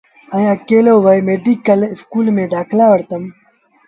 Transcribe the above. ائيٚݩ اڪيلو ميڊل اسڪول وهي دآکلآ وٺتم۔